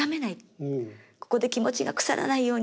ここで気持ちがくさらないようにってもう。